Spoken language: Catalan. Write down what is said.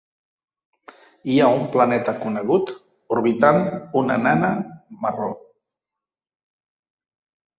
Hi ha un planeta conegut orbitant una nana marró.